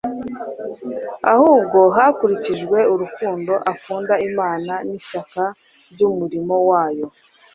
ahubwo hakurikijwe urukundo akunda Imana n'ishyaka ry'umurimo wayo.